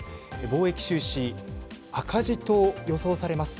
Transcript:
貿易収支、赤字と予想されます。